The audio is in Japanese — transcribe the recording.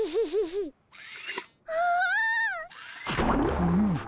フム！